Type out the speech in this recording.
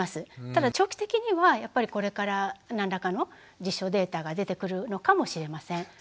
ただ長期的にはやっぱりこれから何らかの実証データが出てくるのかもしれません。